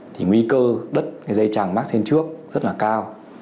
thì nguy cơ đất dây trằng mát trên trước rất là cao